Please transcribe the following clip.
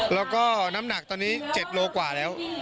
แล้วก็น้ำหนักตอนนี้๗โลกว่าแล้ว